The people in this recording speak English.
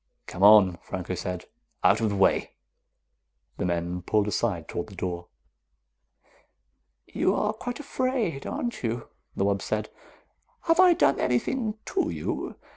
"Come on," Franco said. "Out of the way." The men pulled aside toward the door. "You are quite afraid, aren't you?" the wub said. "Have I done anything to you?